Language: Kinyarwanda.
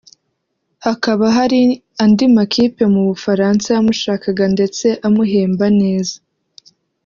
hakaba hari andi makipe mu Bufaransa yamushakaga ndetse amuhemba neza